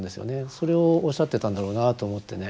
それをおっしゃってたんだろうなと思ってね